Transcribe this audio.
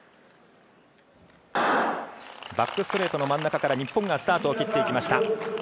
バックストレートの真ん中から日本がスタートを切っていきました。